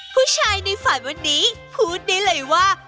ผู้ชายในฝันวันนี้พูดได้เลยว่า